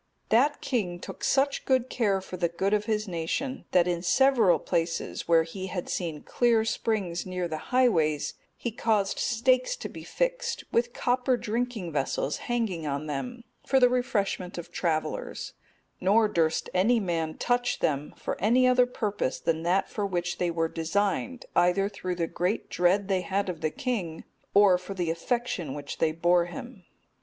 That king took such care for the good of his nation, that in several places where he had seen clear springs near the highways, he caused stakes to be fixed, with copper drinking vessels hanging on them, for the refreshment of travellers; nor durst any man touch them for any other purpose than that for which they were designed, either through the great dread they had of the king, or for the affection which they bore him.